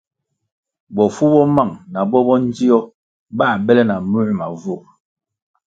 Bofu bo mang na bo bo ndzio bā bele na muē ma vur.